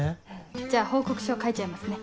じゃあ報告書書いちゃいますね。